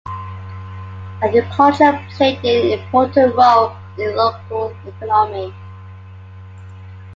Agriculture played an important role in local economy.